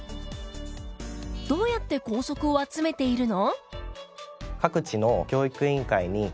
どうやって校則を集めているの？